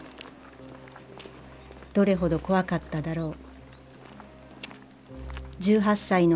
どれほど怖かっただろう。